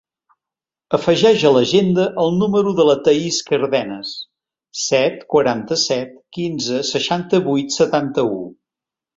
Afegeix a l'agenda el número de la Thaís Cardenes: set, quaranta-set, quinze, seixanta-vuit, setanta-u.